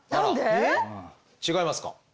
違いますか？